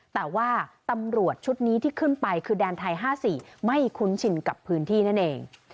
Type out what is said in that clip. แต่ว่าตำรวจชุดนี้ที่ขึ้นไปคือแดนไทย๕๔ไม่คุ้นชินกับพื้นที่นั่นเอง